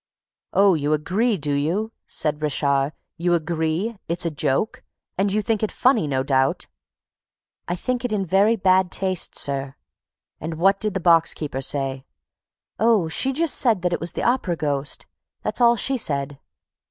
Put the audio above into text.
"Oh, you agree, do you?" said Richard. "You agree! It's a joke! And you think it funny, no doubt?" "I think it in very bad taste, sir." "And what did the box keeper say?" "Oh, she just said that it was the Opera ghost. That's all she said!"